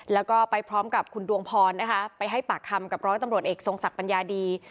แล้วก็ไปพร้อมกับคุณดวงพรนะคะไปให้ปากคำกับร้อยตำรวจเอกทรงศักดิ์ปัญญาดี